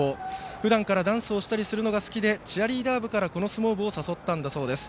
ふだんからダンスをしたりするのが好きでチアリーダー部からこの相撲部を誘ったそうです。